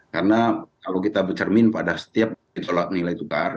karena kalau kita bercermin pada setiap gejolak nilai tukar